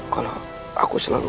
kalau aku selalu